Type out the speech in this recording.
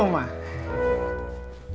kamu udah pulang